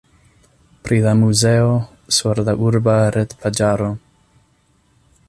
Pri la muzeo sur la urba retpaĝaro.